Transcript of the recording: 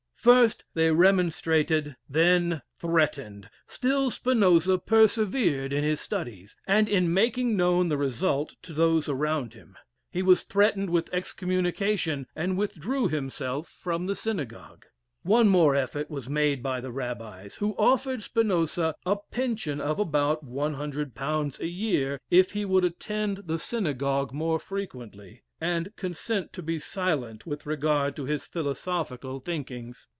First they remonstrated, then threatened; still Spinoza persevered in his studies, and in making known the result to those around him. He was threatened with excommunication, and withdrew himself from the synagogue. One more effort was made by the rabbis, who offered Spinoza a pension of about £100 a year if he would attend the synagogue more frequently, and consent to be silent with regard to his philosophical thinkings.